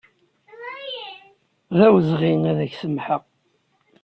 D awezɣi ad ak-samḥeɣ.